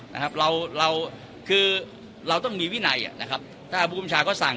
นะครับเราเราคือเราต้องมีวินัยอ่ะนะครับถ้าผู้บัญชาก็สั่ง